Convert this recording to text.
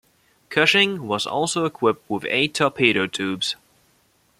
"Cushing" was also equipped with eight torpedo tubes.